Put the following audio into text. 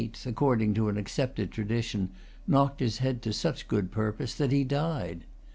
ac cording to an accepted tradition, knocked his head to such good purpose that he died.